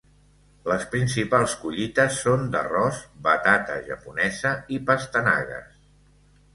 Les principals collites són d'arròs, batata japonesa i pastanagues.